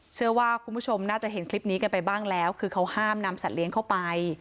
เชื่อว่าคุณผู้ชมน่าจะเห็นคลิปนี้กันไปบ้างแล้วคือเขาห้ามนำสัตว์เลี้ยงเข้าไป